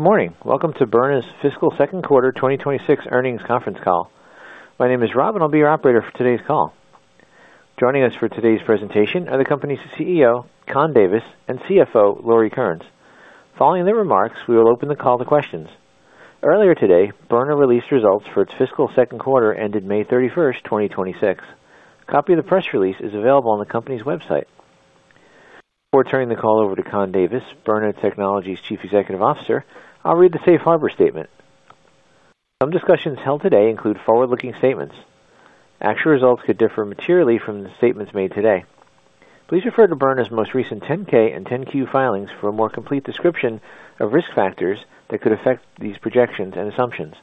Morning. Welcome to Byrna's fiscal second quarter 2026 earnings conference call. My name is Rob, and I'll be your operator for today's call. Joining us for today's presentation are the company's CEO, Conn Davis, and CFO, Lauri Kearnes. Following their remarks, we will open the call to questions. Earlier today, Byrna released results for its fiscal second quarter ended May 31st, 2026. A copy of the press release is available on the company's website. Before turning the call over to Conn Davis, Byrna Technologies Chief Executive Officer, I'll read the safe harbor statement. Some discussions held today include forward-looking statements. Actual results could differ materially from the statements made today. Please refer to Byrna's most recent 10-K and 10-Q filings for a more complete description of risk factors that could affect these projections and assumptions.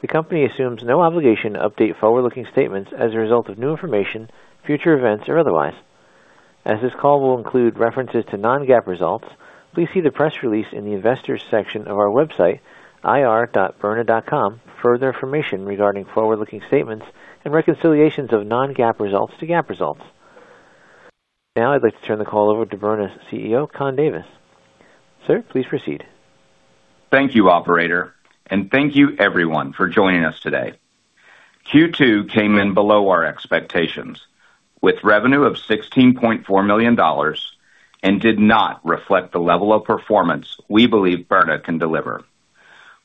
The company assumes no obligation to update forward-looking statements as a result of new information, future events, or otherwise. As this call will include references to non-GAAP results, please see the press release in the investors section of our website, ir.byrna.com for further information regarding forward-looking statements and reconciliations of non-GAAP results to GAAP results. I'd like to turn the call over to Byrna's CEO, Conn Davis. Sir, please proceed. Thank you, operator, and thank you everyone for joining us today. Q2 came in below our expectations with revenue of $16.4 million and did not reflect the level of performance we believe Byrna can deliver.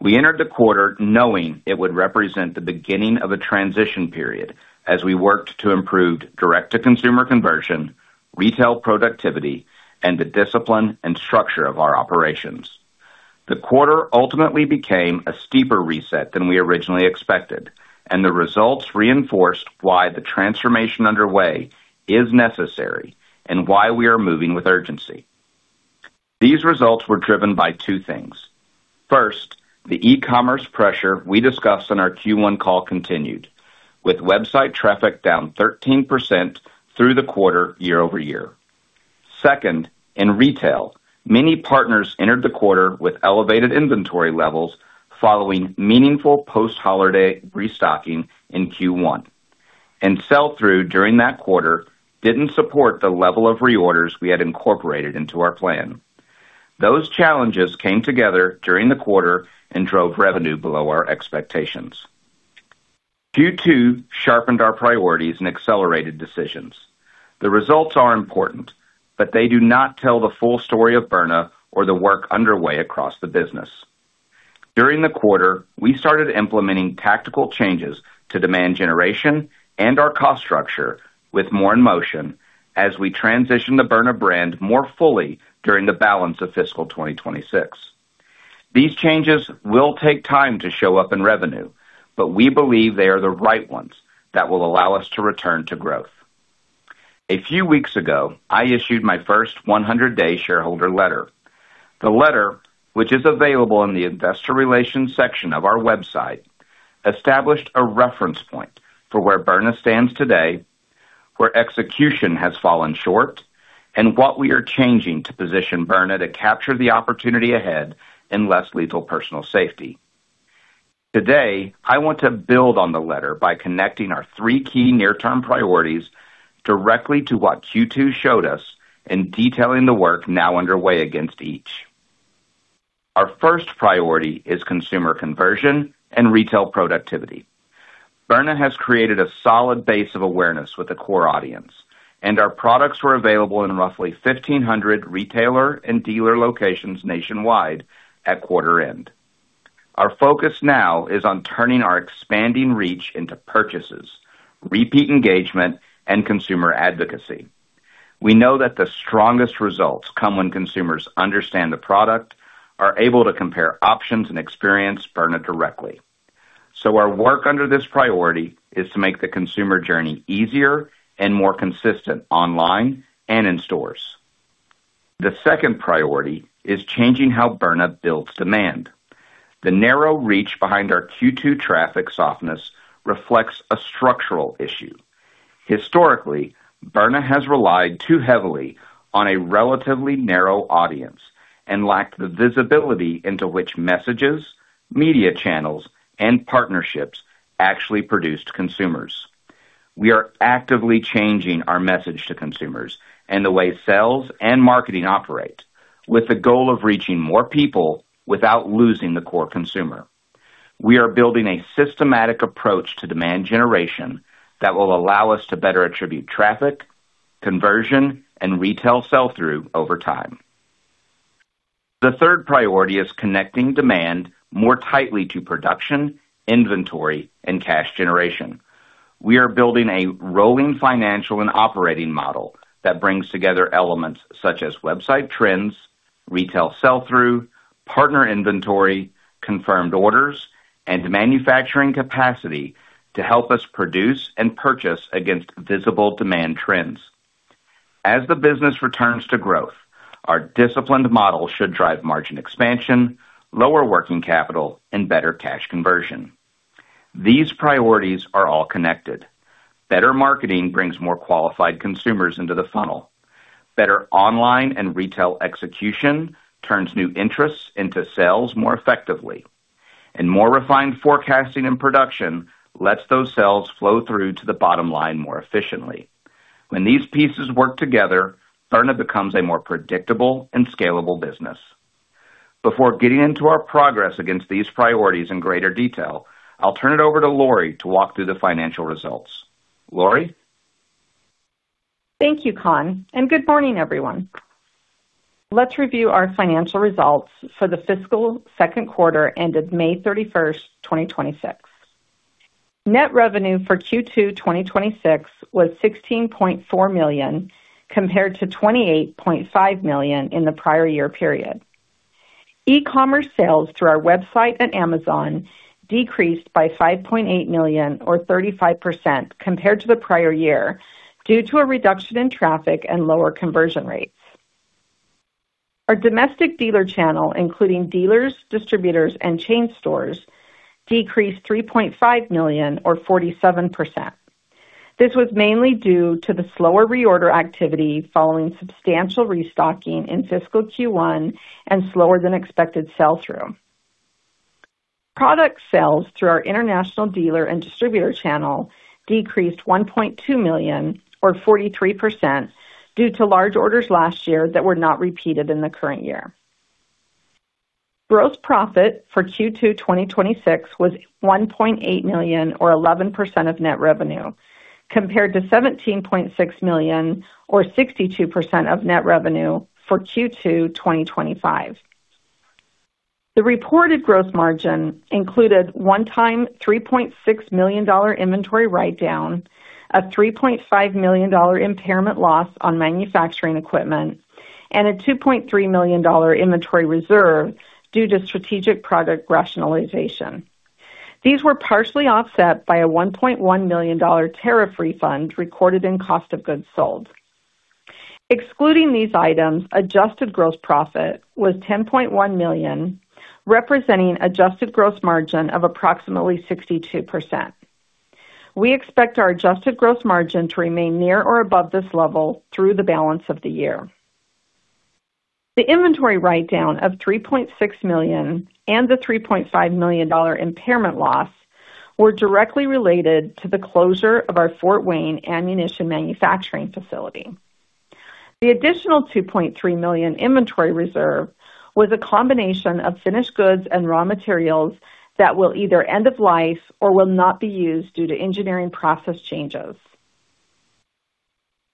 We entered the quarter knowing it would represent the beginning of a transition period as we worked to improve direct-to-consumer conversion, retail productivity, and the discipline and structure of our operations. The quarter ultimately became a steeper reset than we originally expected, and the results reinforced why the transformation underway is necessary and why we are moving with urgency. These results were driven by two things. First, the e-commerce pressure we discussed on our Q1 call continued, with website traffic down 13% through the quarter year-over-year. Second, in retail, many partners entered the quarter with elevated inventory levels following meaningful post-holiday restocking in Q1. Sell-through during that quarter didn't support the level of reorders we had incorporated into our plan. Those challenges came together during the quarter and drove revenue below our expectations. Q2 sharpened our priorities and accelerated decisions. The results are important, they do not tell the full story of Byrna or the work underway across the business. During the quarter, we started implementing tactical changes to demand generation and our cost structure with more in motion as we transition the Byrna brand more fully during the balance of fiscal 2026. These changes will take time to show up in revenue, we believe they are the right ones that will allow us to return to growth. A few weeks ago, I issued my first 100-day shareholder letter. The letter, which is available in the investor relations section of our website, established a reference point for where Byrna stands today, where execution has fallen short, and what we are changing to position Byrna to capture the opportunity ahead in less lethal personal safety. Today, I want to build on the letter by connecting our three key near-term priorities directly to what Q2 showed us and detailing the work now underway against each. Our first priority is consumer conversion and retail productivity. Byrna has created a solid base of awareness with a core audience, and our products were available in roughly 1,500 retailer and dealer locations nationwide at quarter end. Our focus now is on turning our expanding reach into purchases, repeat engagement, and consumer advocacy. We know that the strongest results come when consumers understand the product, are able to compare options, and experience Byrna directly. Our work under this priority is to make the consumer journey easier and more consistent online and in stores. The second priority is changing how Byrna builds demand. The narrow reach behind our Q2 traffic softness reflects a structural issue. Historically, Byrna has relied too heavily on a relatively narrow audience and lacked the visibility into which messages, media channels, and partnerships actually produced consumers. We are actively changing our message to consumers and the way sales and marketing operate, with the goal of reaching more people without losing the core consumer. We are building a systematic approach to demand generation that will allow us to better attribute traffic, conversion, and retail sell-through over time. The third priority is connecting demand more tightly to production, inventory, and cash generation. We are building a rolling financial and operating model that brings together elements such as website trends, retail sell-through, partner inventory, confirmed orders, and manufacturing capacity to help us produce and purchase against visible demand trends. As the business returns to growth, our disciplined model should drive margin expansion, lower working capital, and better cash conversion. These priorities are all connected. Better marketing brings more qualified consumers into the funnel. Better online and retail execution turns new interests into sales more effectively. More refined forecasting and production lets those sales flow through to the bottom line more efficiently. When these pieces work together, Byrna becomes a more predictable and scalable business. Before getting into our progress against these priorities in greater detail, I'll turn it over to Lauri to walk through the financial results. Lauri? Thank you, Conn, and good morning, everyone. Let's review our financial results for the fiscal second quarter ended May 31st, 2026. Net revenue for Q2 2026 was $16.4 million compared to $28.5 million in the prior year period. E-commerce sales through our website at Amazon decreased by $5.8 million or 35% compared to the prior year due to a reduction in traffic and lower conversion rates. Our domestic dealer channel, including dealers, distributors, and chain stores, decreased $3.5 million or 47%. This was mainly due to the slower reorder activity following substantial restocking in fiscal Q1 and slower than expected sell-through. Product sales through our international dealer and distributor channel decreased $1.2 million or 43% due to large orders last year that were not repeated in the current year. Gross profit for Q2 2026 was $1.8 million or 11% of net revenue, compared to $17.6 million or 62% of net revenue for Q2 2025. The reported gross margin included one-time $3.6 million inventory write-down, a $3.5 million impairment loss on manufacturing equipment, and a $2.3 million inventory reserve due to strategic product rationalization. These were partially offset by a $1.1 million tariff refund recorded in cost of goods sold. Excluding these items, adjusted gross profit was $10.1 million, representing adjusted gross margin of approximately 62%. We expect our adjusted gross margin to remain near or above this level through the balance of the year. The inventory write-down of $3.6 million and the $3.5 million impairment loss were directly related to the closure of our Fort Wayne ammunition manufacturing facility. The additional $2.3 million inventory reserve was a combination of finished goods and raw materials that will either end of life or will not be used due to engineering process changes.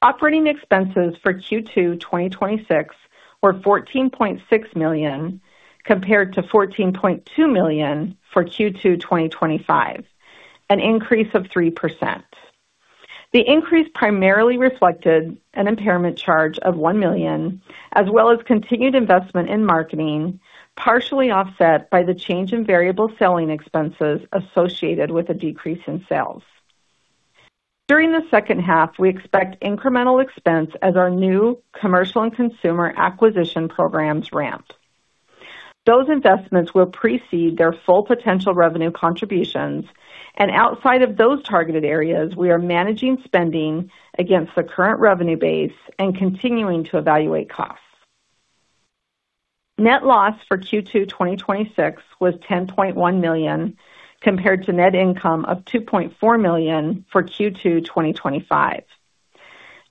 Operating expenses for Q2 2026 were $14.6 million compared to $14.2 million for Q2 2025, an increase of 3%. The increase primarily reflected an impairment charge of $1 million, as well as continued investment in marketing, partially offset by the change in variable selling expenses associated with a decrease in sales. During the second half, we expect incremental expense as our new commercial and consumer acquisition programs ramp. Those investments will precede their full potential revenue contributions. Outside of those targeted areas, we are managing spending against the current revenue base and continuing to evaluate costs. Net loss for Q2 2026 was $10.1 million compared to net income of $2.4 million for Q2 2025.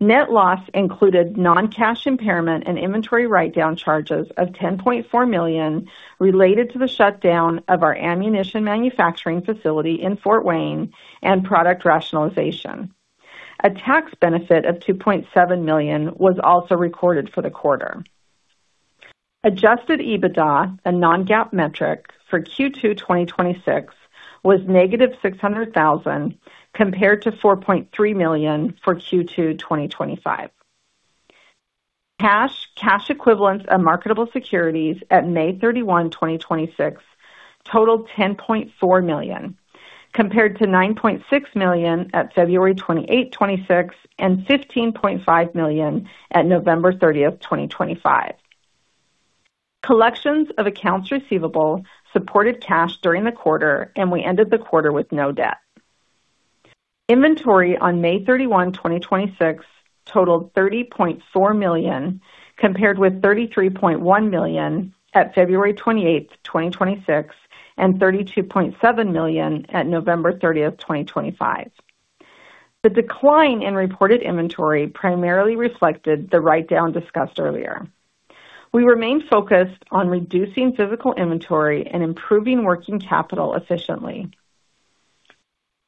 Net loss included non-cash impairment and inventory write-down charges of $10.4 million related to the shutdown of our ammunition manufacturing facility in Fort Wayne and product rationalization. A tax benefit of $2.7 million was also recorded for the quarter. Adjusted EBITDA, a non-GAAP metric for Q2 2026, was -$600,000 compared to $4.3 million for Q2 2025. Cash, cash equivalents, and marketable securities at May 31, 2026, totaled $10.4 million, compared to $9.6 million at February 28, 2026, and $15.5 million at November 30th, 2025. Collections of accounts receivable supported cash during the quarter. We ended the quarter with no debt. Inventory on May 31, 2026, totaled $30.4 million, compared with $33.1 million at February 28, 2026, and $32.7 million at November 30th, 2025. The decline in reported inventory primarily reflected the write-down discussed earlier. We remain focused on reducing physical inventory and improving working capital efficiently.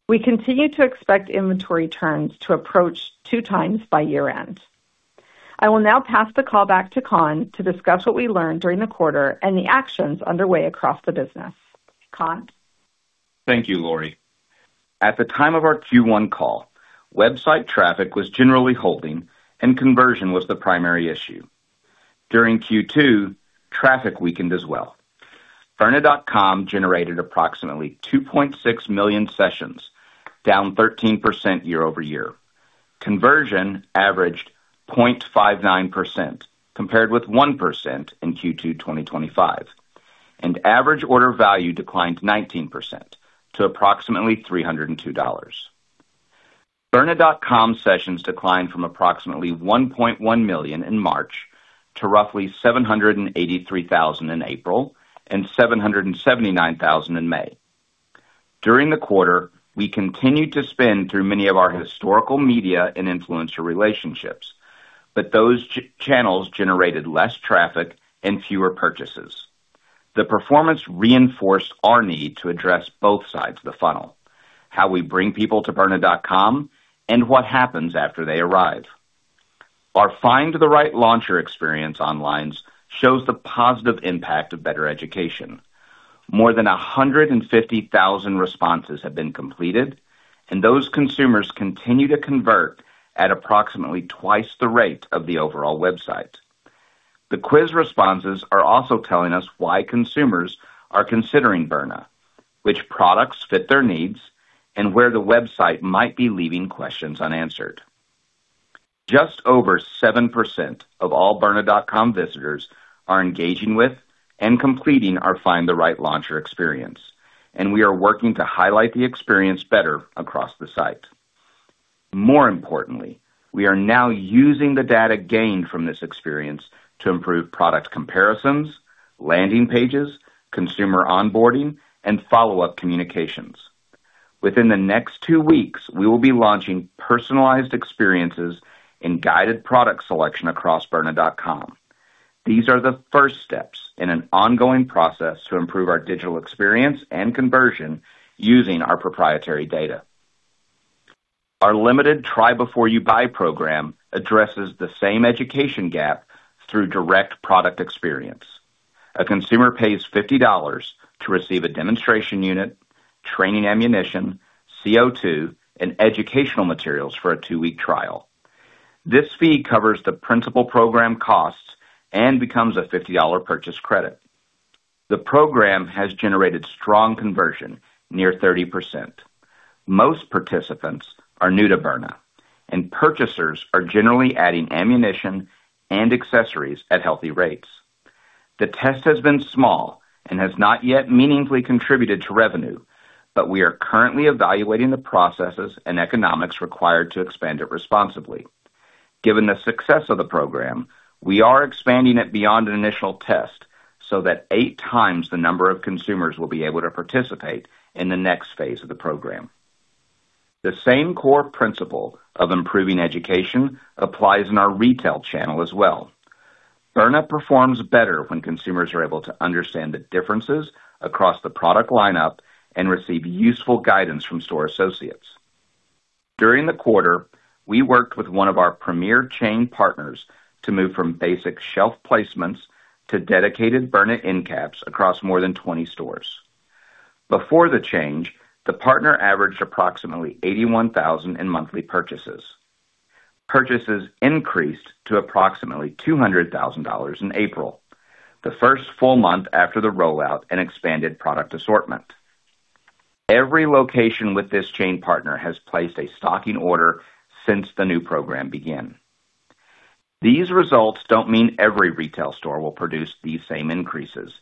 We continue to expect inventory turns to approach 2x by year-end. I will now pass the call back to Conn to discuss what we learned during the quarter and the actions underway across the business. Conn? Thank you, Lauri. At the time of our Q1 call, website traffic was generally holding, and conversion was the primary issue. During Q2, traffic weakened as well. byrna.com generated approximately 2.6 million sessions, down 13% year-over-year. Conversion averaged 0.59%, compared with 1% in Q2 2025. Average order value declined 19% to approximately $302. byrna.com sessions declined from approximately 1.1 million in March to roughly 783,000 in April and 779,000 in May. During the quarter, we continued to spend through many of our historical media and influencer relationships, but those channels generated less traffic and fewer purchases. The performance reinforced our need to address both sides of the funnel, how we bring people to byrna.com, and what happens after they arrive. Our Find the Right Launcher experience online shows the positive impact of better education. More than 150,000 responses have been completed, and those consumers continue to convert at approximately twice the rate of the overall website. The quiz responses are also telling us why consumers are considering Byrna, which products fit their needs, and where the website might be leaving questions unanswered. Just over 7% of all byrna.com visitors are engaging with and completing our Find the Right Launcher experience, and we are working to highlight the experience better across the site. More importantly, we are now using the data gained from this experience to improve product comparisons, landing pages, consumer onboarding, and follow-up communications. Within the next two weeks, we will be launching personalized experiences in guided product selection across byrna.com. These are the first steps in an ongoing process to improve our digital experience and conversion using our proprietary data. Our limited Try Before You Buy program addresses the same education gap through direct product experience. A consumer pays $50 to receive a demonstration unit, training ammunition, CO2, and educational materials for a two-week trial. This fee covers the principal program costs and becomes a $50 purchase credit. The program has generated strong conversion, near 30%. Most participants are new to Byrna, and purchasers are generally adding ammunition and accessories at healthy rates. The test has been small and has not yet meaningfully contributed to revenue, but we are currently evaluating the processes and economics required to expand it responsibly. Given the success of the program, we are expanding it beyond an initial test so that eight times the number of consumers will be able to participate in the next phase of the program. The same core principle of improving education applies in our retail channel as well. Byrna performs better when consumers are able to understand the differences across the product lineup and receive useful guidance from store associates. During the quarter, we worked with one of our premier chain partners to move from basic shelf placements to dedicated Byrna end caps across more than 20 stores. Before the change, the partner averaged approximately $81,000 in monthly purchases. Purchases increased to approximately $200,000 in April, the first full month after the rollout and expanded product assortment. Every location with this chain partner has placed a stocking order since the new program began. These results don't mean every retail store will produce these same increases,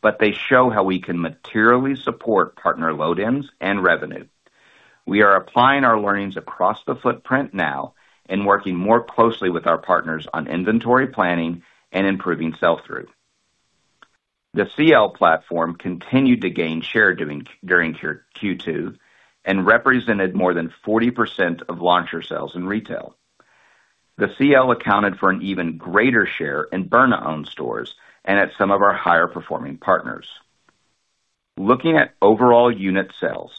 but they show how we can materially support partner load-ins and revenue. We are applying our learnings across the footprint now and working more closely with our partners on inventory planning and improving sell-through. The Byrna CL platform continued to gain share during Q2 and represented more than 40% of launcher sales in retail. The Byrna CL accounted for an even greater share in Byrna-owned stores and at some of our higher-performing partners. Looking at overall unit sales,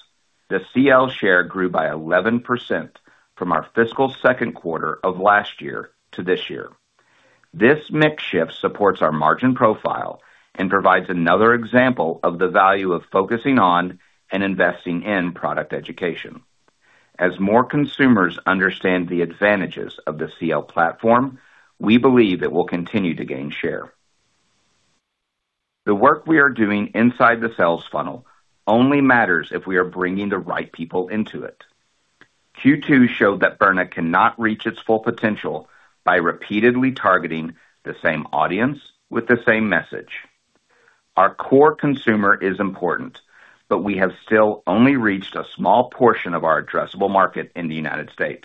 the Byrna CL share grew by 11% from our fiscal second quarter of last year to this year. This mix shift supports our margin profile and provides another example of the value of focusing on and investing in product education. As more consumers understand the advantages of the Byrna CL platform, we believe it will continue to gain share. The work we are doing inside the sales funnel only matters if we are bringing the right people into it. Q2 showed that Byrna cannot reach its full potential by repeatedly targeting the same audience with the same message. Our core consumer is important, but we have still only reached a small portion of our addressable market in the U.S.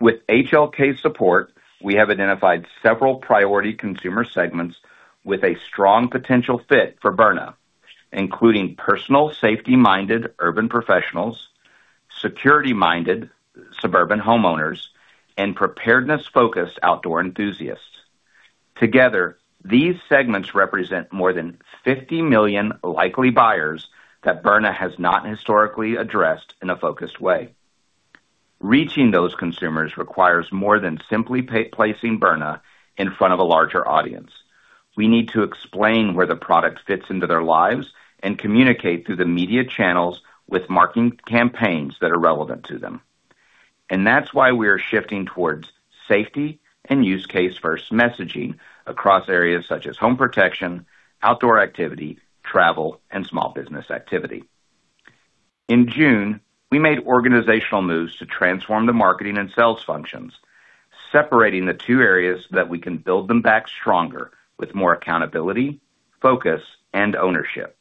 With HLK's support, we have identified several priority consumer segments with a strong potential fit for Byrna, including personal safety-minded urban professionals, security-minded suburban homeowners, and preparedness-focused outdoor enthusiasts. Together, these segments represent more than 50 million likely buyers that Byrna has not historically addressed in a focused way. Reaching those consumers requires more than simply placing Byrna in front of a larger audience. We need to explain where the product fits into their lives and communicate through the media channels with marketing campaigns that are relevant to them. That's why we are shifting towards safety and use case first messaging across areas such as home protection, outdoor activity, travel, and small business activity. In June, we made organizational moves to transform the marketing and sales functions, separating the two areas so that we can build them back stronger with more accountability, focus, and ownership.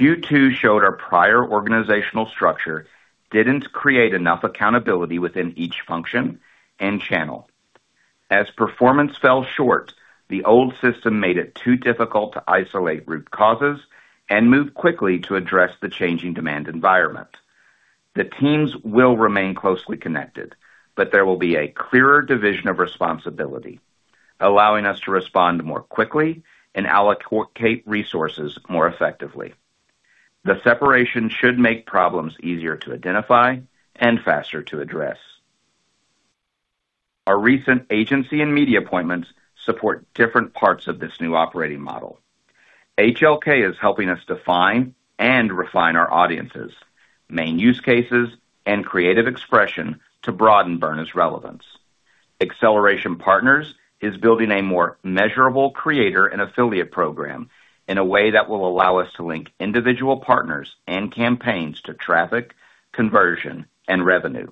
Q2 showed our prior organizational structure didn't create enough accountability within each function and channel. As performance fell short, the old system made it too difficult to isolate root causes and move quickly to address the changing demand environment. The teams will remain closely connected, but there will be a clearer division of responsibility, allowing us to respond more quickly and allocate resources more effectively. The separation should make problems easier to identify and faster to address. Our recent agency and media appointments support different parts of this new operating model. HLK is helping us define and refine our audiences, main use cases, and creative expression to broaden Byrna's relevance. Acceleration Partners is building a more measurable creator and affiliate program in a way that will allow us to link individual partners and campaigns to traffic, conversion, and revenue.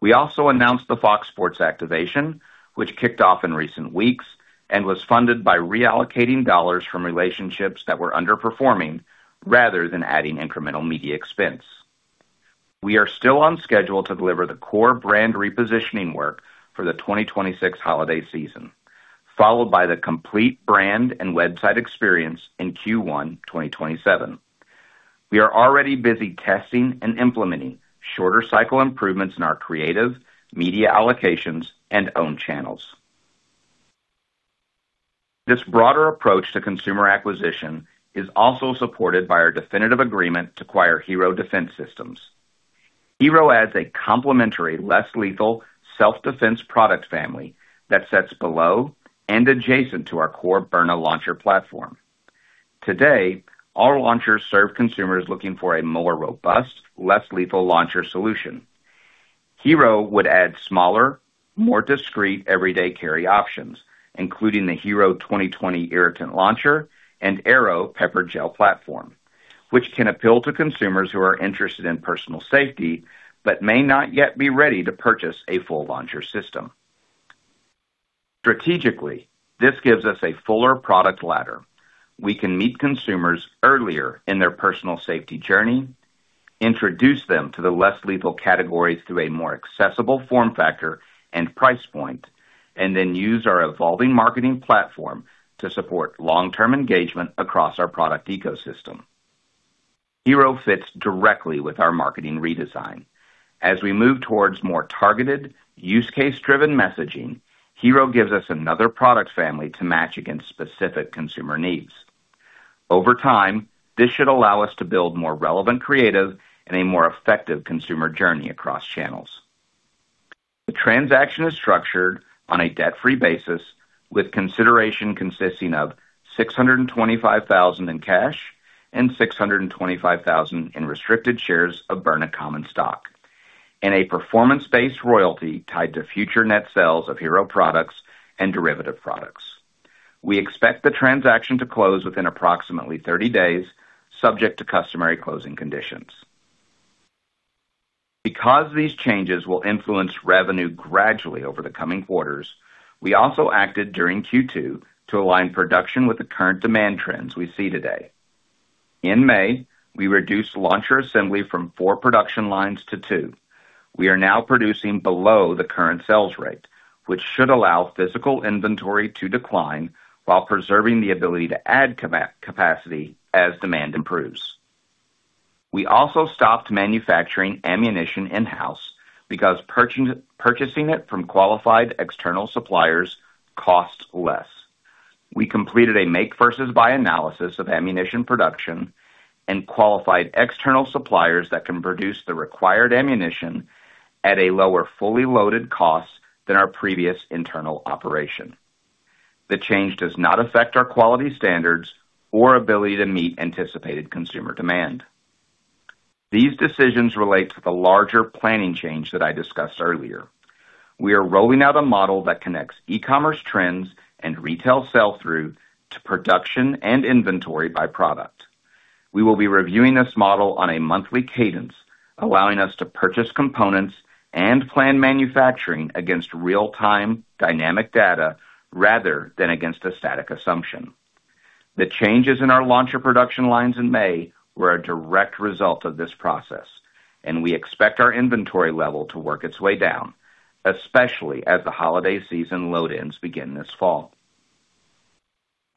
We also announced the Fox Sports activation, which kicked off in recent weeks and was funded by reallocating dollars from relationships that were underperforming rather than adding incremental media expense. We are still on schedule to deliver the core brand repositioning work for the 2026 holiday season, followed by the complete brand and website experience in Q1 2027. We are already busy testing and implementing shorter cycle improvements in our creative, media allocations, and owned channels. This broader approach to consumer acquisition is also supported by our definitive agreement to acquire HERO Defense Systems. HERO adds a complementary, less lethal self-defense product family that sits below and adjacent to our core Byrna launcher platform. Today, our launchers serve consumers looking for a more robust, less lethal launcher solution. HERO would add smaller, more discreet everyday carry options, including the HERO 2020 irritant launcher and AIIRO pepper gel platform, which can appeal to consumers who are interested in personal safety but may not yet be ready to purchase a full launcher system. Strategically, this gives us a fuller product ladder. We can meet consumers earlier in their personal safety journey, introduce them to the less lethal categories through a more accessible form factor and price point, and then use our evolving marketing platform to support long-term engagement across our product ecosystem. HERO fits directly with our marketing redesign. As we move towards more targeted, use case-driven messaging, HERO gives us another product family to match against specific consumer needs. Over time, this should allow us to build more relevant creative and a more effective consumer journey across channels. The transaction is structured on a debt-free basis, with consideration consisting of $625,000 in cash and $625,000 in restricted shares of Byrna common stock and a performance-based royalty tied to future net sales of HERO products and derivative products. We expect the transaction to close within approximately 30 days, subject to customary closing conditions. Because these changes will influence revenue gradually over the coming quarters, we also acted during Q2 to align production with the current demand trends we see today. In May, we reduced launcher assembly from four production lines to two. We are now producing below the current sales rate, which should allow physical inventory to decline while preserving the ability to add capacity as demand improves. We also stopped manufacturing ammunition in-house because purchasing it from qualified external suppliers costs less. We completed a make versus buy analysis of ammunition production and qualified external suppliers that can produce the required ammunition at a lower fully loaded cost than our previous internal operation. The change does not affect our quality standards or ability to meet anticipated consumer demand. These decisions relate to the larger planning change that I discussed earlier. We are rolling out a model that connects e-commerce trends and retail sell-through to production and inventory by product. We will be reviewing this model on a monthly cadence, allowing us to purchase components and plan manufacturing against real-time dynamic data rather than against a static assumption. The changes in our launcher production lines in May were a direct result of this process, and we expect our inventory level to work its way down, especially as the holiday season load-ins begin this fall.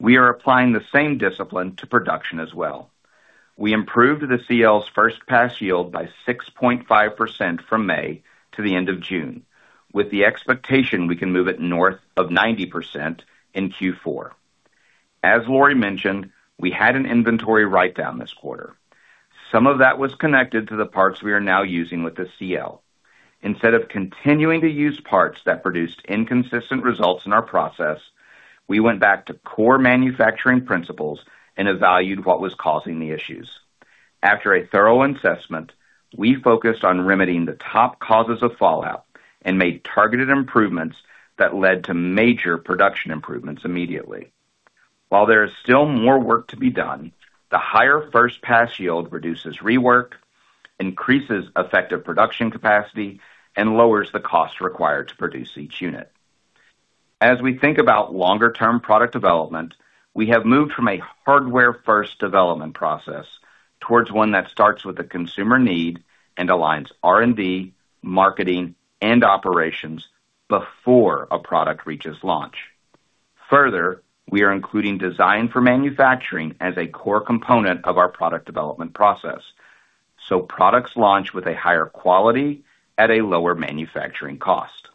We are applying the same discipline to production as well. We improved the CL's first pass yield by 6.5% from May to the end of June, with the expectation we can move it north of 90% in Q4. As Lauri mentioned, we had an inventory write-down this quarter. Some of that was connected to the parts we are now using with the CL. Instead of continuing to use parts that produced inconsistent results in our process, we went back to core manufacturing principles and evaluated what was causing the issues. After a thorough assessment, we focused on remedying the top causes of fallout and made targeted improvements that led to major production improvements immediately. While there is still more work to be done, the higher first pass yield reduces rework, increases effective production capacity, and lowers the cost required to produce each unit. As we think about longer-term product development, we have moved from a hardware-first development process towards one that starts with a consumer need and aligns R&D, marketing, and operations before a product reaches launch. Further, we are including design for manufacturing as a core component of our product development process, so products launch with a higher quality at a lower manufacturing cost.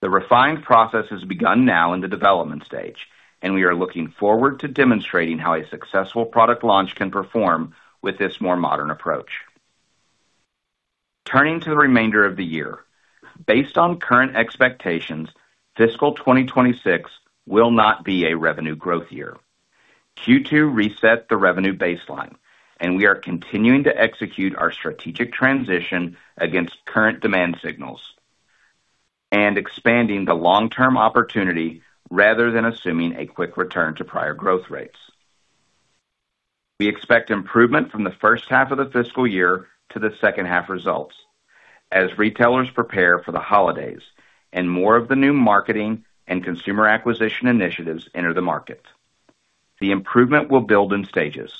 The refined process has begun now in the development stage, and we are looking forward to demonstrating how a successful product launch can perform with this more modern approach. Turning to the remainder of the year, based on current expectations, fiscal 2026 will not be a revenue growth year. Q2 reset the revenue baseline. We are continuing to execute our strategic transition against current demand signals and expanding the long-term opportunity rather than assuming a quick return to prior growth rates. We expect improvement from the first half of the fiscal year to the second half results as retailers prepare for the holidays and more of the new marketing and consumer acquisition initiatives enter the market. The improvement will build in stages.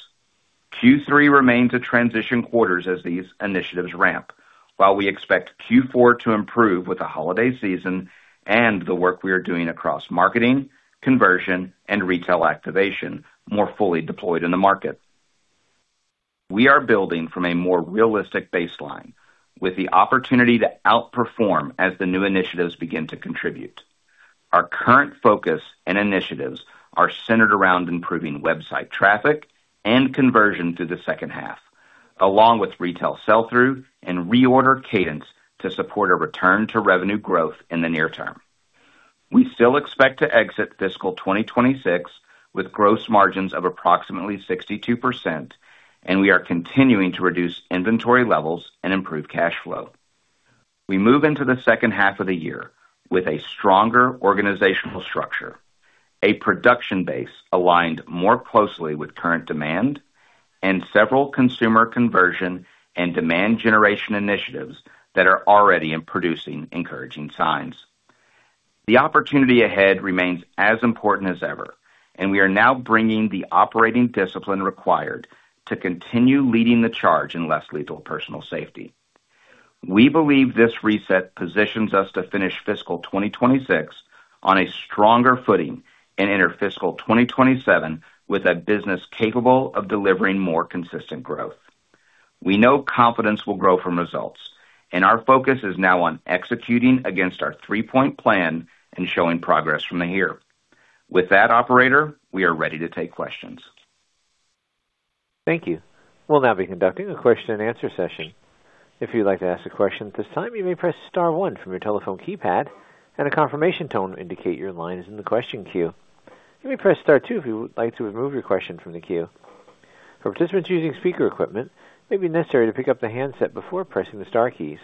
Q3 remains a transition quarter as these initiatives ramp, while we expect Q4 to improve with the holiday season and the work we are doing across marketing, conversion, and retail activation more fully deployed in the market. We are building from a more realistic baseline with the opportunity to outperform as the new initiatives begin to contribute. Our current focus and initiatives are centered around improving website traffic and conversion through the second half, along with retail sell-through and reorder cadence to support a return to revenue growth in the near term. We still expect to exit fiscal 2026 with gross margins of approximately 62%. We are continuing to reduce inventory levels and improve cash flow. We move into the second half of the year with a stronger organizational structure, a production base aligned more closely with current demand, and several consumer conversion and demand generation initiatives that are already producing encouraging signs. The opportunity ahead remains as important as ever. We are now bringing the operating discipline required to continue leading the charge in less lethal personal safety. We believe this reset positions us to finish fiscal 2026 on a stronger footing and enter fiscal 2027 with a business capable of delivering more consistent growth. We know confidence will grow from results. Our focus is now on executing against our three-point plan and showing progress from here. With that, operator, we are ready to take questions. Thank you. We'll now be conducting a question and answer session. If you'd like to ask a question at this time, you may press star one from your telephone keypad, and a confirmation tone will indicate your line is in the question queue. You may press star two if you would like to remove your question from the queue. For participants using speaker equipment, it may be necessary to pick up the handset before pressing the star keys.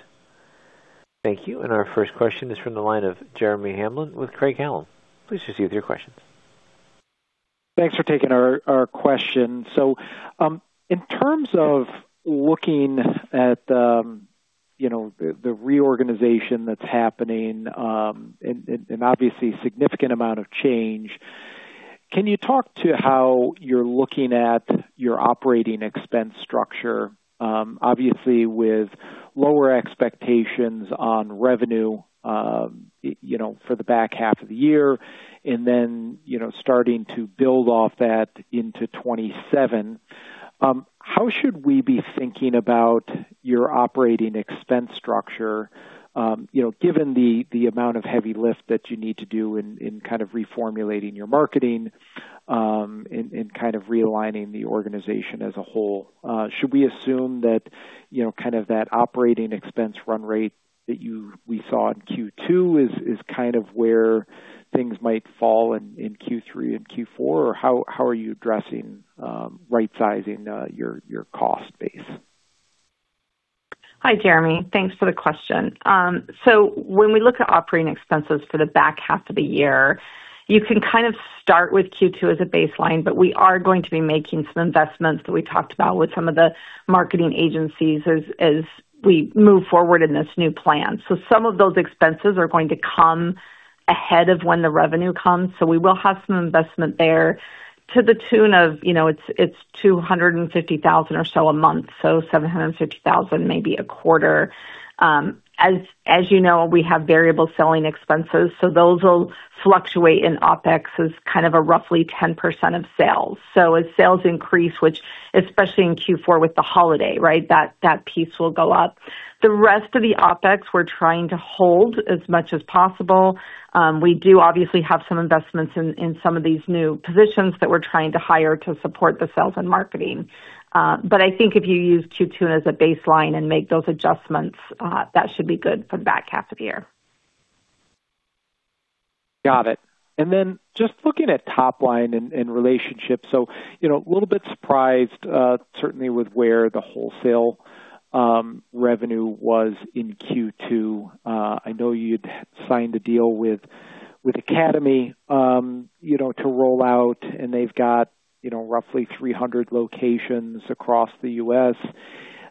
Thank you. Our first question is from the line of Jeremy Hamblin with Craig-Hallum. Please proceed with your questions. Thanks for taking our question. In terms of looking at the reorganization that's happening, obviously significant amount of change, can you talk to how you're looking at your operating expense structure? Obviously, with lower expectations on revenue for the back half of the year then starting to build off that into 2027, how should we be thinking about your operating expense structure given the amount of heavy lift that you need to do in reformulating your marketing and realigning the organization as a whole? Should we assume that operating expense run rate that we saw in Q2 is where things might fall in Q3 and Q4? How are you addressing right-sizing your cost base? Hi, Jeremy. Thanks for the question. When we look at operating expenses for the back half of the year, you can start with Q2 as a baseline, but we are going to be making some investments that we talked about with some of the marketing agencies as we move forward in this new plan. Some of those expenses are going to come ahead of when the revenue comes. We will have some investment there to the tune of, it's $250,000 or so a month, $750,000 maybe a quarter. As you know, we have variable selling expenses, those will fluctuate in OpEx as kind of a roughly 10% of sales. As sales increase, which especially in Q4 with the holiday, that piece will go up. The rest of the OpEx we're trying to hold as much as possible. We do obviously have some investments in some of these new positions that we're trying to hire to support the sales and marketing. I think if you use Q2 as a baseline and make those adjustments, that should be good for the back half of the year. Got it. Just looking at top line and relationships. A little bit surprised certainly with where the wholesale revenue was in Q2. I know you'd signed a deal with Academy to roll out, and they've got roughly 300 locations across the U.S.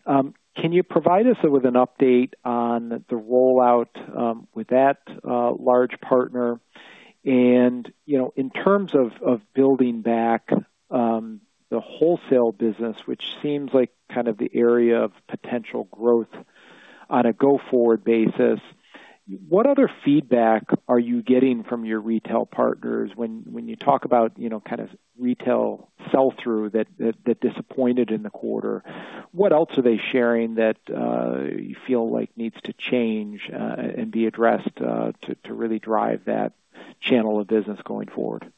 Can you provide us with an update on the rollout with that large partner and, in terms of building back the wholesale business, which seems like kind of the area of potential growth on a go-forward basis, what other feedback are you getting from your retail partners when you talk about retail sell-through that disappointed in the quarter? What else are they sharing that you feel like needs to change and be addressed to really drive that channel of business going forward?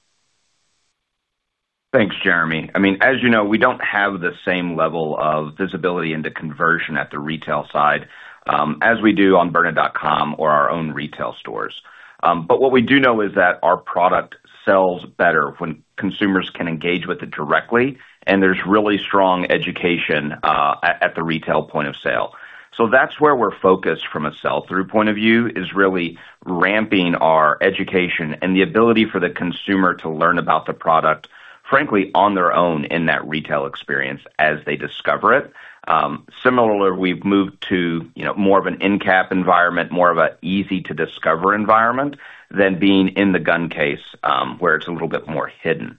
Thanks, Jeremy. As you know, we don't have the same level of visibility into conversion at the retail side as we do on byrna.com or our own retail stores. What we do know is that our product sells better when consumers can engage with it directly, and there's really strong education at the retail point of sale. That's where we're focused from a sell-through point of view, is really ramping our education and the ability for the consumer to learn about the product, frankly, on their own in that retail experience as they discover it. Similarly, we've moved to more of an in-cab environment, more of a easy-to-discover environment than being in the gun case, where it's a little bit more hidden.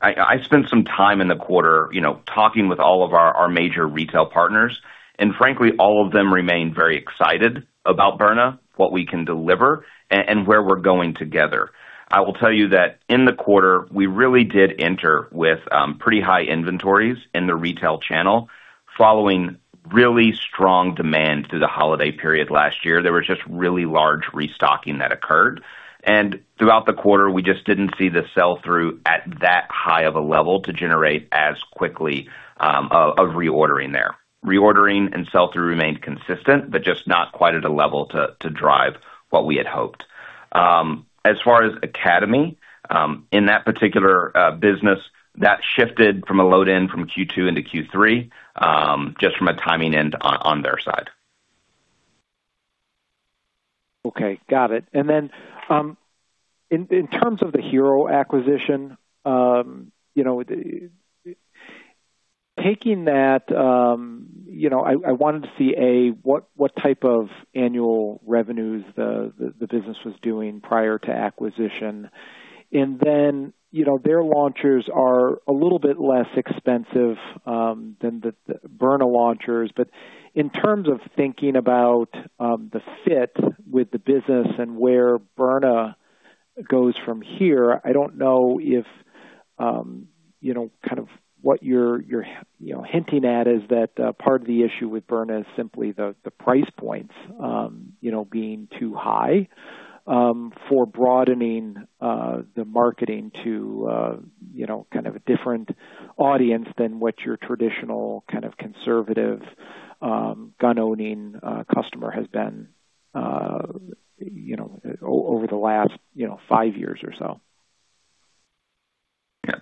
I spent some time in the quarter talking with all of our major retail partners, and frankly, all of them remain very excited about Byrna, what we can deliver, and where we're going together. I will tell you that in the quarter, we really did enter with pretty high inventories in the retail channel following really strong demand through the holiday period last year. There was just really large restocking that occurred, and throughout the quarter, we just didn't see the sell-through at that high of a level to generate as quickly of reordering there. Reordering and sell-through remained consistent, but just not quite at a level to drive what we had hoped. As far as Academy, in that particular business, that shifted from a load-in from Q2 into Q3, just from a timing end on their side. Okay, got it. In terms of the HERO acquisition, taking that, I wanted to see, A, what type of annual revenues the business was doing prior to acquisition. Their launchers are a little bit less expensive than the Byrna launchers. In terms of thinking about the fit with the business and where Byrna goes from here, I don't know what you're hinting at is that part of the issue with Byrna is simply the price points being too high for broadening the marketing to kind of a different audience than what your traditional kind of conservative gun-owning customer has been over the last five years or so.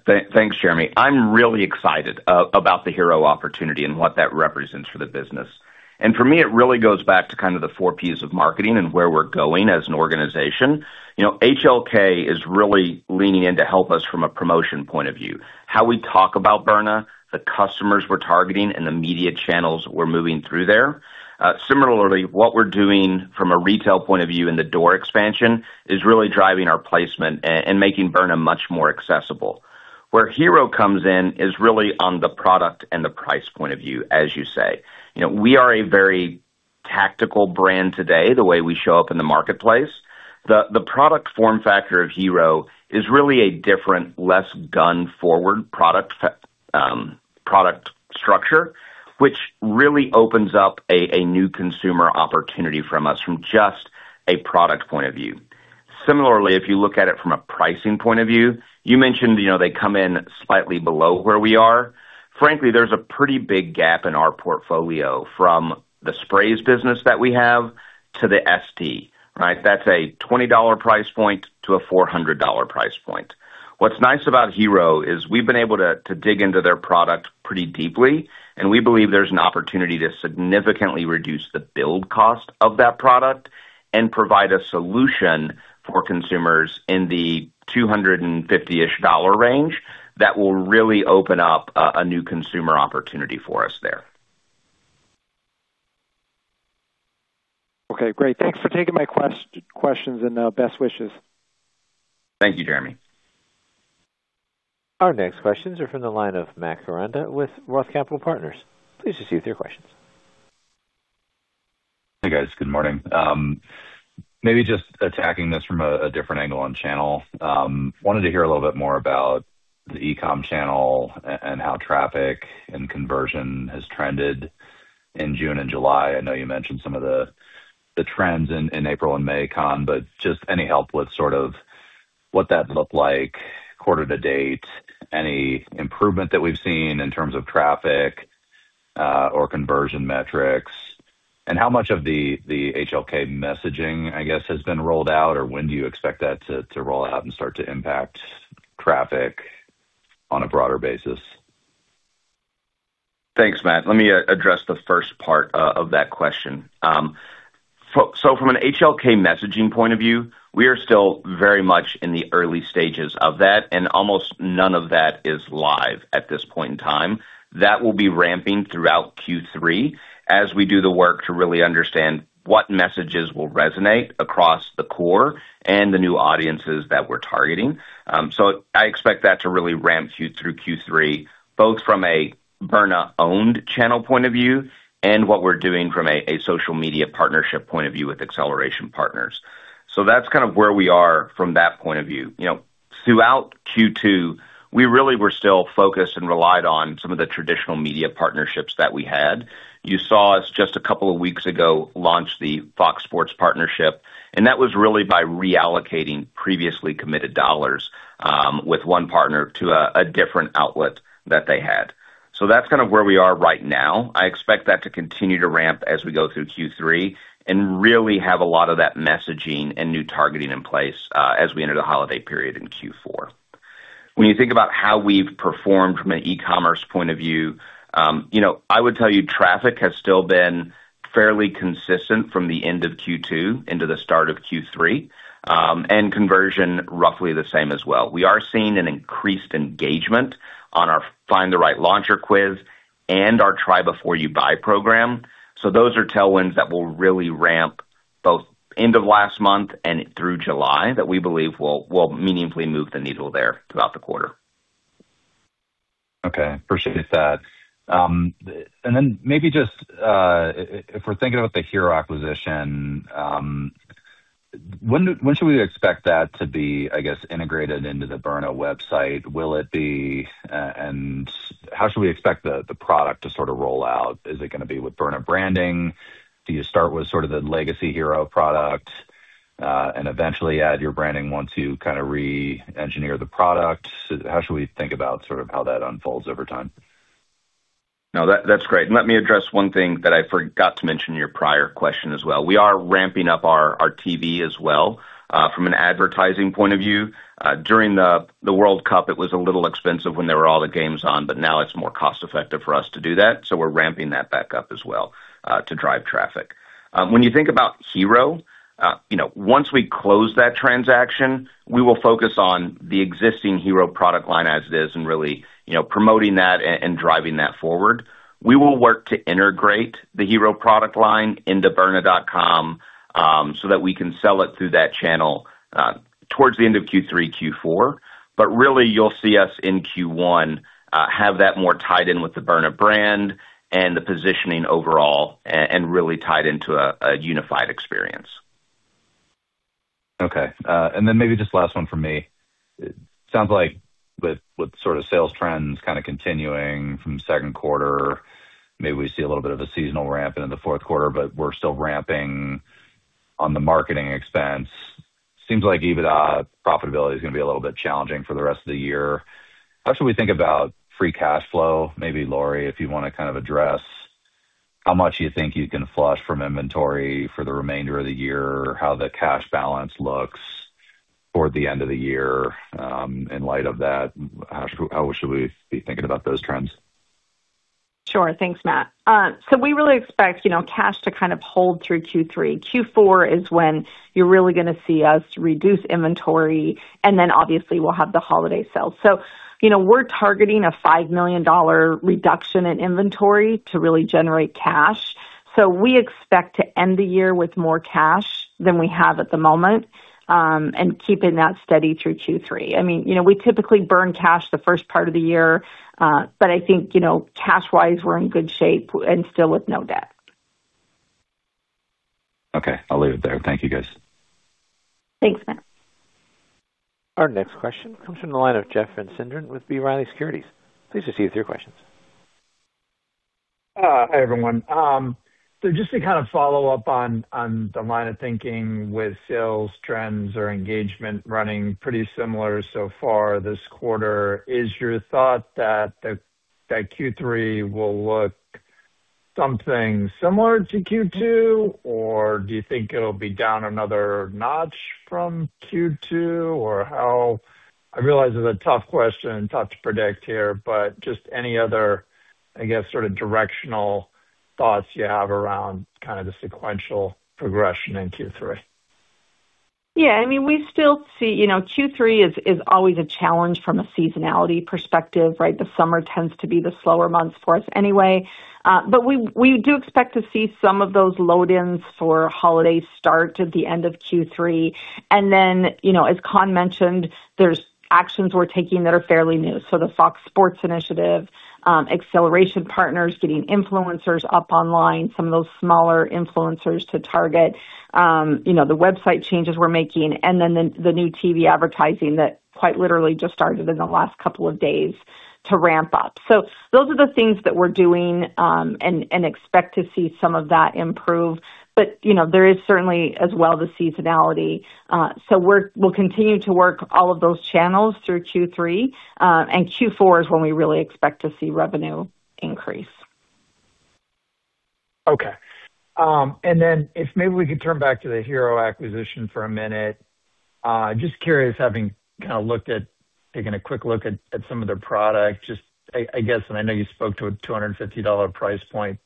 Thanks, Jeremy. I'm really excited about the Hero opportunity and what that represents for the business. For me, it really goes back to kind of the four Ps of marketing and where we're going as an organization. HLK is really leaning in to help us from a promotion point of view, how we talk about Byrna, the customers we're targeting, and the media channels we're moving through there. Similarly, what we're doing from a retail point of view in the door expansion is really driving our placement and making Byrna much more accessible. Where Hero comes in is really on the product and the price point of view, as you say. We are a very tactical brand today, the way we show up in the marketplace. The product form factor of Hero is really a different, less gun-forward product structure, which really opens up a new consumer opportunity from us from just a product point of view. Similarly, if you look at it from a pricing point of view, you mentioned they come in slightly below where we are. Frankly, there's a pretty big gap in our portfolio from the sprays business that we have to the SD, right? That's a $20 price point to a $400 price point. What's nice about Hero is we've been able to dig into their product pretty deeply, and we believe there's an opportunity to significantly reduce the build cost of that product and provide a solution for consumers in the $250-ish range that will really open up a new consumer opportunity for us there. Okay, great. Thanks for taking my questions, and best wishes. Thank you, Jeremy. Our next questions are from the line of Matt Koranda with ROTH Capital Partners. Please proceed with your questions. Hey, guys. Good morning. Maybe just attacking this from a different angle on channel. Wanted to hear a little bit more about the e-com channel and how traffic and conversion has trended in June and July. I know you mentioned some of the trends in April and May, Conn, but just any help with sort of what that looked like quarter to date, any improvement that we've seen in terms of traffic or conversion metrics, and how much of the HLK messaging, I guess, has been rolled out, or when do you expect that to roll out and start to impact traffic on a broader basis? Thanks, Matt. Let me address the first part of that question. From an HLK messaging point of view, we are still very much in the early stages of that, and almost none of that is live at this point in time. That will be ramping throughout Q3 as we do the work to really understand what messages will resonate across the core and the new audiences that we're targeting. I expect that to really ramp through Q3, both from a Byrna-owned channel point of view and what we're doing from a social media partnership point of view with Acceleration Partners. That's kind of where we are from that point of view. Throughout Q2, we really were still focused and relied on some of the traditional media partnerships that we had. You saw us, just a couple of weeks ago, launch the Fox Sports partnership. That was really by reallocating previously committed dollars with one partner to a different outlet that they had. That's kind of where we are right now. I expect that to continue to ramp as we go through Q3 and really have a lot of that messaging and new targeting in place as we enter the holiday period in Q4. When you think about how we've performed from an e-commerce point of view, I would tell you traffic has still been fairly consistent from the end of Q2 into the start of Q3, and conversion roughly the same as well. We are seeing an increased engagement on our Find the Right Launcher quiz and our Try Before You Buy program. Those are tailwinds that will really ramp both end of last month and through July that we believe will meaningfully move the needle there throughout the quarter. Okay. Appreciate that. Then maybe just if we're thinking about the HERO acquisition, when should we expect that to be, I guess, integrated into the Byrna website? How should we expect the product to sort of roll out? Is it gonna be with Byrna branding? Do you start with sort of the legacy HERO product, and eventually add your branding once you kind of re-engineer the product? How should we think about sort of how that unfolds over time? No, that's great. Let me address one thing that I forgot to mention in your prior question as well. We are ramping up our TV as well. From an advertising point of view, during the World Cup, it was a little expensive when there were all the games on, but now it's more cost-effective for us to do that, so we're ramping that back up as well to drive traffic. You think about HERO, once we close that transaction, we will focus on the existing HERO product line as it is and really promoting that and driving that forward. We will work to integrate the HERO product line into byrna.com, so that we can sell it through that channel towards the end of Q3, Q4. Really you'll see us in Q1 have that more tied in with the Byrna brand and the positioning overall, and really tied into a unified experience. Maybe just last one from me. Sounds like with sort of sales trends kind of continuing from second quarter, maybe we see a little bit of a seasonal ramp into the fourth quarter, but we're still ramping on the marketing expense. Seems like EBITDA profitability is gonna be a little bit challenging for the rest of the year. How should we think about free cash flow? Maybe Lauri, if you want to kind of address how much you think you can flush from inventory for the remainder of the year, how the cash balance looks toward the end of the year. In light of that, how should we be thinking about those trends? Sure. Thanks, Matt. We really expect cash to kind of hold through Q3. Q4 is when you're really gonna see us reduce inventory, and then obviously we'll have the holiday sale. We're targeting a $5 million reduction in inventory to really generate cash. We expect to end the year with more cash than we have at the moment, and keeping that steady through Q3. We typically burn cash the first part of the year, but I think, cash-wise, we're in good shape and still with no debt. Okay. I'll leave it there. Thank you, guys. Thanks, Matt. Our next question comes from the line of Jeff Van Sinderen with B. Riley Securities. Please proceed with your questions. Hi, everyone. Just to kind of follow up on the line of thinking with sales trends or engagement running pretty similar so far this quarter, is your thought that Q3 will look something similar to Q2, or do you think it'll be down another notch from Q2? I realize it's a tough question, tough to predict here, but just any other, I guess, sort of directional thoughts you have around kind of the sequential progression in Q3. Yeah. Q3 is always a challenge from a seasonality perspective, right? The summer tends to be the slower months for us anyway. We do expect to see some of those load-ins for holiday start at the end of Q3. As Conn mentioned, there's actions we're taking that are fairly new. The Fox Sports initiative, Acceleration Partners, getting influencers up online, some of those smaller influencers to target, the website changes we're making, the new TV advertising that quite literally just started in the last couple of days to ramp up. Those are the things that we're doing, and expect to see some of that improve. There is certainly as well the seasonality. We'll continue to work all of those channels through Q3, and Q4 is when we really expect to see revenue increase. Okay. If maybe we could turn back to the HERO acquisition for a minute. Just curious, having taken a quick look at some of their products, and I know you spoke to a $250 price point,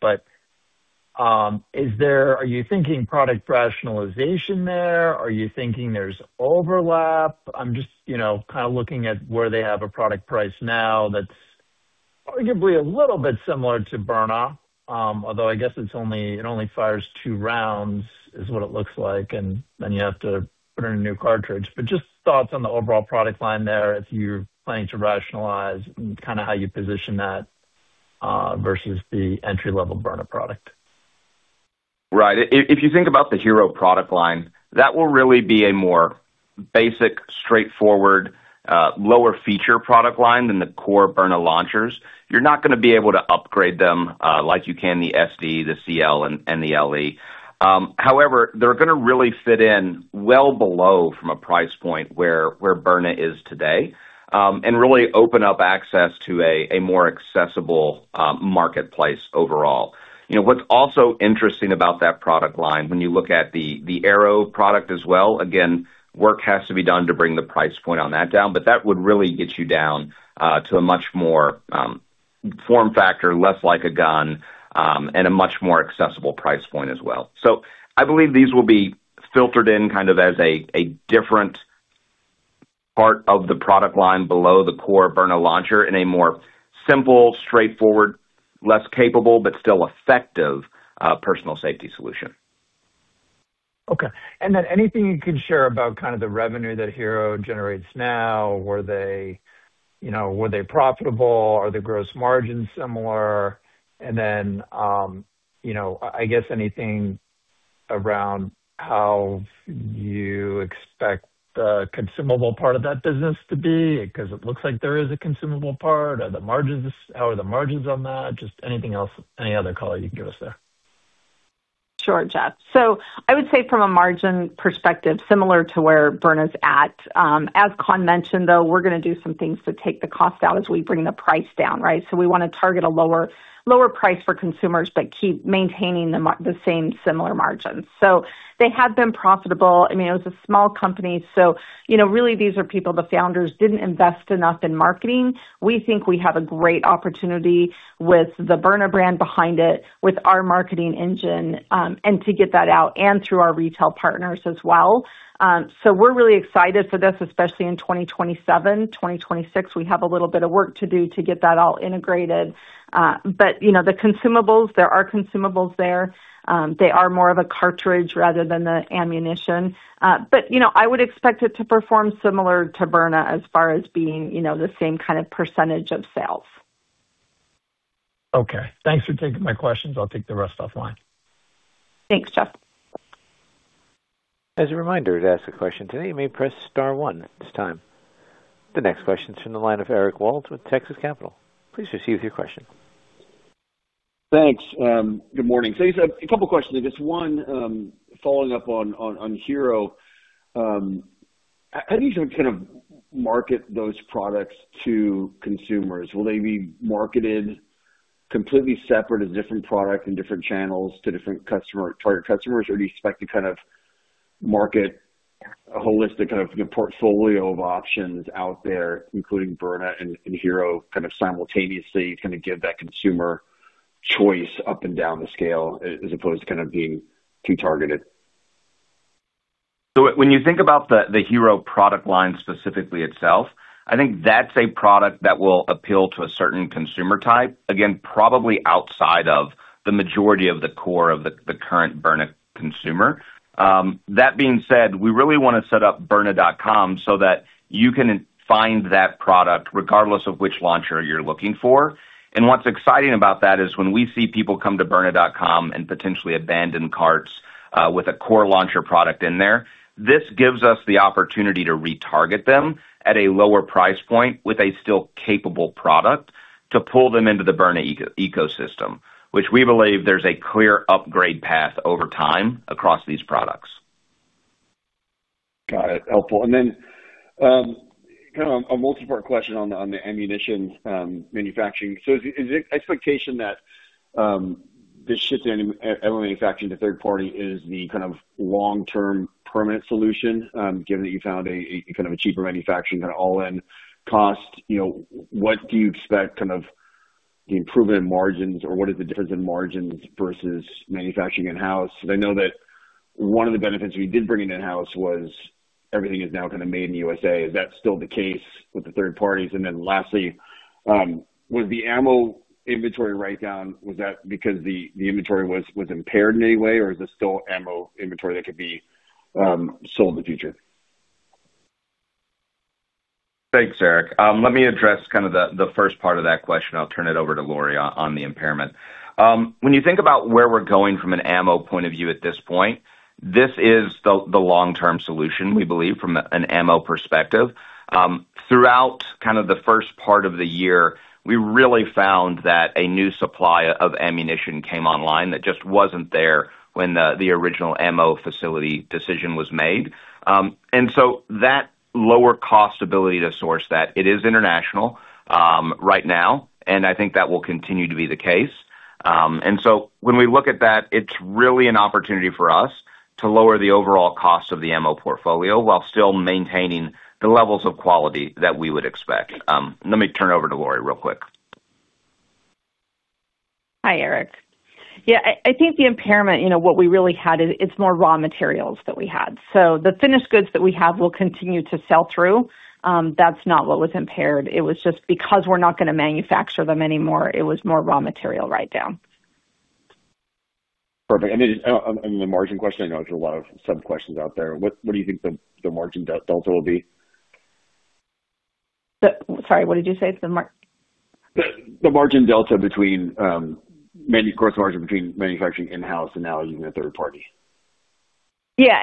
are you thinking product rationalization there? Are you thinking there's overlap? I'm just looking at where they have a product priced now that's arguably a little bit similar to Byrna, although I guess it only fires two rounds, is what it looks like, and then you have to put in a new cartridge. Just thoughts on the overall product line there, if you're planning to rationalize, and how you position that versus the entry-level Byrna product. Right. If you think about the HERO product line, that will really be a more basic, straightforward, lower-feature product line than the core Byrna launchers. You are not going to be able to upgrade them like you can the SD, the CL, and the LE. However, they are going to really fit in well below from a price point where Byrna is today, and really open up access to a more accessible marketplace overall. What is also interesting about that product line, when you look at the AIIRO product as well, again, work has to be done to bring the price point on that down, but that would really get you down to a much more form factor less like a gun, and a much more accessible price point as well. I believe these will be filtered in as a different part of the product line below the core Byrna launcher in a more simple, straightforward, less capable, but still effective personal safety solution. Okay. Anything you can share about the revenue that HERO generates now. Were they profitable? Are the gross margins similar? I guess anything around how you expect the consumable part of that business to be, because it looks like there is a consumable part. How are the margins on that? Just anything else, any other color you can give us there. Sure, Jeff. I would say from a margin perspective, similar to where Byrna is at. As Conn mentioned, though, we are going to do some things to take the cost out as we bring the price down, right? We want to target a lower price for consumers but keep maintaining the same similar margins. They have been profitable. It was a small company, really these are people, the founders did not invest enough in marketing. We think we have a great opportunity with the Byrna brand behind it, with our marketing engine, and to get that out and through our retail partners as well. We are really excited for this, especially in 2027. 2026, we have a little bit of work to do to get that all integrated. The consumables, there are consumables there. They are more of a cartridge rather than the ammunition. I would expect it to perform similar to Byrna as far as being the same kind of percentage of sales. Okay. Thanks for taking my questions. I'll take the rest offline. Thanks, Jeff. As a reminder, to ask a question today, you may press star one at this time. The next question's from the line of Eric Wold with Texas Capital. Please proceed with your question. Thanks. Good morning. A couple questions. Just one following up on HERO. How do you market those products to consumers? Will they be marketed completely separate as different products and different channels to different target customers, or do you expect to market a holistic portfolio of options out there, including Byrna and HERO simultaneously, kind of give that consumer choice up and down the scale as opposed to being too targeted? When you think about the HERO product line specifically itself, I think that's a product that will appeal to a certain consumer type. Again, probably outside of the majority of the core of the current Byrna consumer. That being said, we really want to set up byrna.com so that you can find that product regardless of which launcher you're looking for. What's exciting about that is when we see people come to byrna.com and potentially abandon carts with a core launcher product in there, this gives us the opportunity to retarget them at a lower price point with a still capable product to pull them into the Byrna ecosystem, which we believe there's a clear upgrade path over time across these products. Got it. Helpful. Then a multi-part question on the ammunition manufacturing. Is the expectation that this shift in ammo manufacturing to third party is the long-term permanent solution, given that you found a cheaper manufacturing all-in cost? What do you expect the improvement in margins or what is the difference in margins versus manufacturing in-house? Because I know that one of the benefits when you did bring it in-house was everything is now made in the U.S.A. Is that still the case with the third parties? Lastly, with the ammo inventory write-down, was that because the inventory was impaired in any way, or is this still ammo inventory that could be sold in the future? Thanks, Eric. Let me address the first part of that question. I'll turn it over to Lauri on the impairment. When you think about where we're going from an ammo point of view at this point, this is the long-term solution, we believe, from an ammo perspective. Throughout the first part of the year, we really found that a new supply of ammunition came online that just wasn't there when the original ammo facility decision was made. That lower cost ability to source that, it is international right now, and I think that will continue to be the case. When we look at that, it's really an opportunity for us to lower the overall cost of the ammo portfolio while still maintaining the levels of quality that we would expect. Let me turn over to Lauri real quick. Hi, Eric. Yeah, I think the impairment, what we really had, it's more raw materials that we had. The finished goods that we have will continue to sell through. That's not what was impaired. It was just because we're not going to manufacture them anymore. It was more raw material write-down. Perfect. On the margin question, I know there's a lot of sub-questions out there. What do you think the margin delta will be? Sorry, what did you say? The margin delta between gross margin between manufacturing in-house and now using a third party. Yeah.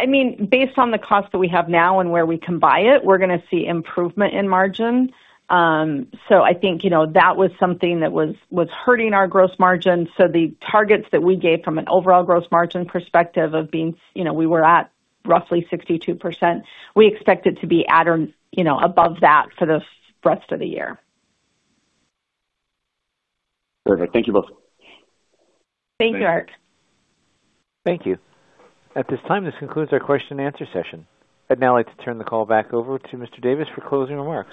Based on the cost that we have now and where we can buy it, we're going to see improvement in margin. I think that was something that was hurting our gross margin. The targets that we gave from an overall gross margin perspective of being, we were at roughly 62%, we expect it to be above that for the rest of the year. Perfect. Thank you both. Thanks, Eric. Thank you. At this time, this concludes our question and answer session. I'd now like to turn the call back over to Mr. Davis for closing remarks.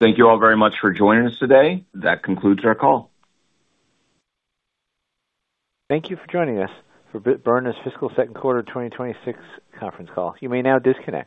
Thank you all very much for joining us today. That concludes our call. Thank you for joining us for Byrna's fiscal second quarter 2026 conference call. You may now disconnect.